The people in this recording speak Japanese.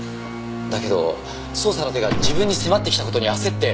だけど捜査の手が自分に迫ってきた事に焦って。